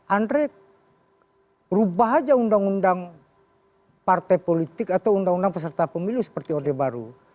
andre rubah aja undang undang partai politik atau undang undang peserta pemilu seperti orde baru